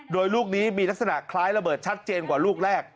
โดยลูกนี้มีลักษณะคล้ายระเบิดชัดเจนกว่าลูกแรก